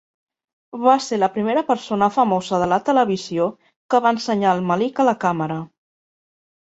Va ser la primera persona famosa de la televisió que va ensenyar el melic a la càmera.